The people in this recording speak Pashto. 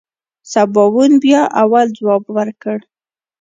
سباوون بيا اول ځواب ورکړ.